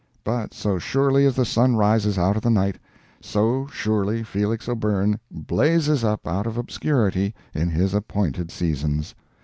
But so surely as the sun rises out of the night, so surely Felix O'Byrne blazes up out of obscurity in his appointed seasons.